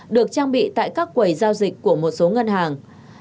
được trang bị tại các quầy giao dịch của một số ngân hàng